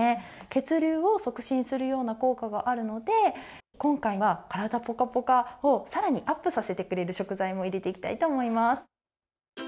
血流を促進するような効果があるので今回は体ぽかぽかをさらにアップさせてくれる食材も入れていきたいと思います。